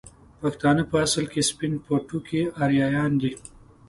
پښتانه په اصل کې سپين پوټکي اريايان دي